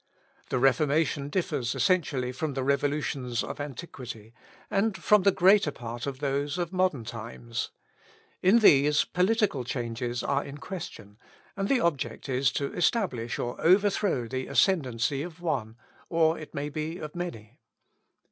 The Reformation differs essentially from the revolutions of antiquity, and from the greater part of those of modern times. In these, political changes are in question, and the object is to establish or overthrow the ascendancy of one, or it may be of many.